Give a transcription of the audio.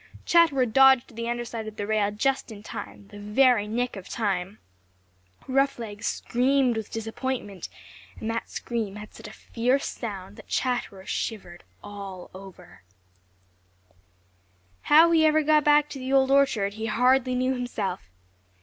Chatterer dodged to the under side of the rail just in time, the very nick of time. Roughleg screamed with disappointment, and that scream had such a fierce sound that Chatterer shivered all over. [Illustration: Chatterer gave a little gasp of fright.] How he ever got back to the Old Orchard he hardly knew himself.